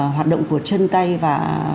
hoạt động của chân tay và